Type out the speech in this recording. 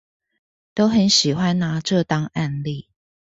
都很喜歡拿這當案例